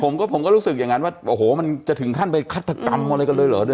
ผมก็ผมก็รู้สึกอย่างนั้นว่าโอ้โหมันจะถึงขั้นไปฆาตกรรมอะไรกันเลยเหรอ